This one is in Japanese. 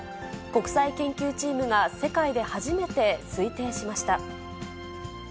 国際研究チームが、世界で初めて推定しました。